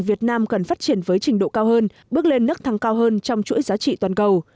việt nam cần phát triển với trình độ cao hơn bước lên nấc thăng cao hơn trong chuỗi giá trị toàn cầu